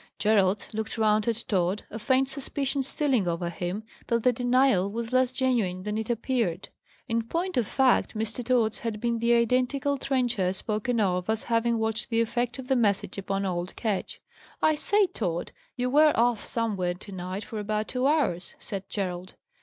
Gerald looked round at Tod, a faint suspicion stealing over him that the denial was less genuine than it appeared. In point of fact, Mr. Tod's had been the identical trencher, spoken of as having watched the effect of the message upon old Ketch. "I say, Tod, you were off somewhere to night for about two hours," said Gerald.